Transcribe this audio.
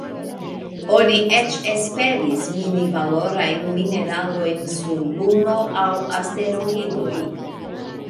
Oni eĉ esperis mini valorajn mineralojn sur Luno aŭ asteroidoj.